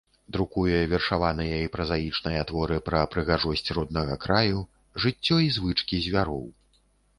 Друкуе вершаваныя і празаічныя творы пра прыгажосць роднага краю, жыццё і звычкі звяроў.